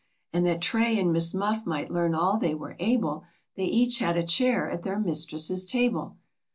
And that Tray and Miss Muff might learn all they were able, They each had a chair at their mistress's table.